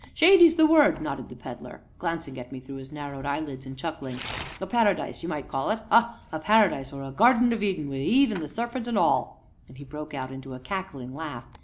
"Shady's the word!" nodded the Pedler, glancing up at me through his narrowed eyelids, and chuckling. "A paradise you might call it ah! a paradise or a garden of Eden, wi' Eve and the serpent and all!" and he broke out into a cackling laugh.